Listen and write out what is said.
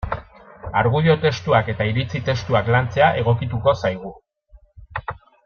Argudio testuak eta iritzi testuak lantzea egokituko zaigu.